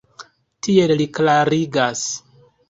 Tiel li klarigas.